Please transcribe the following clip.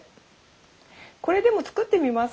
これでも作ってみます。